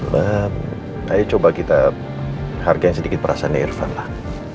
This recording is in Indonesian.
ma ayo coba kita hargai sedikit perasaan irfan lah